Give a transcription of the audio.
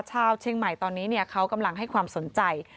ชาวเชียงใหม่ตอนนี้เขากำลังให้ความสนใจ